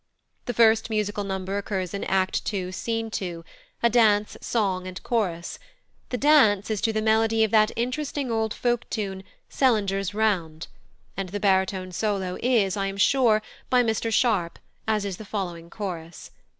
The first musical number occurs in Act ii., Scene 2, a dance, song, and chorus; the dance is to the melody of that interesting old folk tune "Sellenger's Round," and the baritone solo is, I am sure, by Mr Sharp, as is the following chorus.